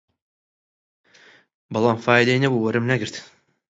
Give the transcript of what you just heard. بەڵام فایدەی نەبوو، وەرم نەگرت